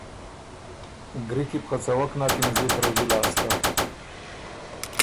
ګری کی بو خه څوَک نکِن زُت رݫی لاسته۔